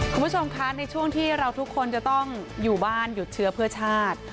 คุณผู้ชมคะในช่วงที่เราทุกคนจะต้องอยู่บ้านหยุดเชื้อเพื่อชาติ